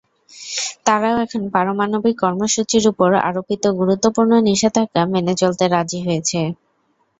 তারাও এখন পারমাণবিক কর্মসূচির ওপর আরোপিত গুরুত্বপূর্ণ নিষেধাজ্ঞা মেনে চলতে রাজি হয়েছে।